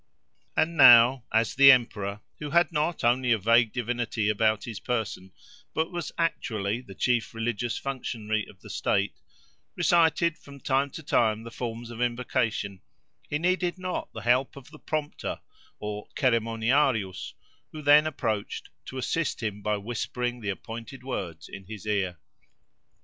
And now, as the emperor, who had not only a vague divinity about his person, but was actually the chief religious functionary of the state, recited from time to time the forms of invocation, he needed not the help of the prompter, or ceremoniarius, who then approached, to assist him by whispering the appointed words in his ear.